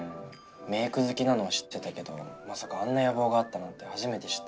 メイク好きなのは知ってたけどまさかあんな野望があったなんて初めて知ったよ。